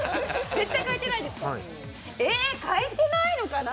え、変えてないのかな